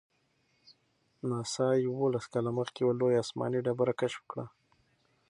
ناسا یوولس کاله مخکې یوه لویه آسماني ډبره کشف کړه.